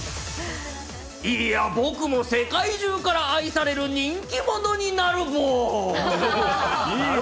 いやぁ、僕も世界中から愛される人気者になるボー。いいね。